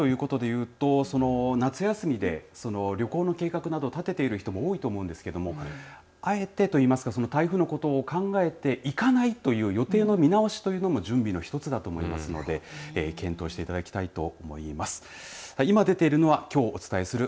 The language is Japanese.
備えということでいうと夏休みで旅行の計画など立てている人も多いと思うんですがあえてと言いますか台風のことを考えていかないという予定の見直しも準備の一つだと思いますので検討していただきたいと思います。